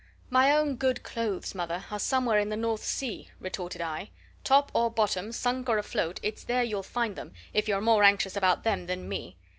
"My own good clothes, mother, are somewhere in the North Sea," retorted I. "Top or bottom, sunk or afloat, it's there you'll find them, if you're more anxious about them than me!